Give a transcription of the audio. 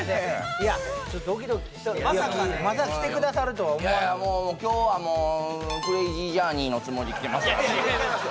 いやちょっとドキドキしてまさか来てくださるとは思わんいやいやもう今日はもう「クレイジージャーニー」のつもりで来てますからねいや違います